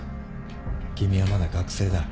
君はまだ学生だ。